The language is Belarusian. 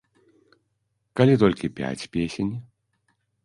Калі толькі пяць песень?